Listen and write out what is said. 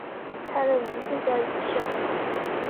他的名字叫一休。